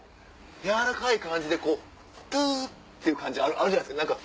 やわらかい感じでツっていう感じあるじゃないですか。